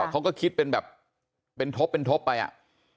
เขาก็คิดเป็นแบบเป็นทบเป็นทบไปอ่ะ